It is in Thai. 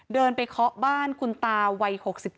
เดินไปเคาะบ้านคุณตาวัย๖๗